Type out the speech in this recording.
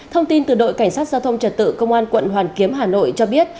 thông tin từ đội cảnh sát giao thông trật tự công an quận hoàn kiếm hà nội cho biết